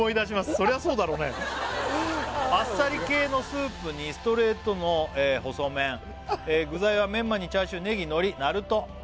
そりゃそうだろうね「あっさり系のスープにストレートの細麺」「具材はメンマにチャーシューねぎのりなるとと」